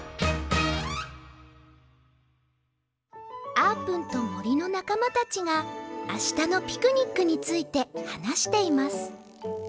あーぷんともりのなかまたちがあしたのピクニックについてはなしています